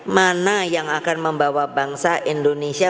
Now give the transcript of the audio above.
mana yang akan membawa bangsa indonesia